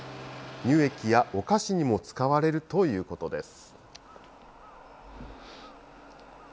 乳液やお菓子にも使われるということです。